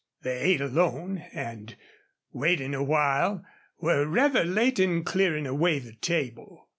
They ate alone, and, waiting awhile, were rather late in clearing away the table.